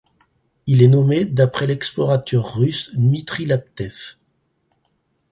Il est nommé d'après l'explorateur russe Dmitri Laptev.